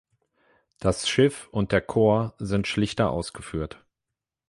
Das Schiff und der Chor sind schlichter ausgeführt.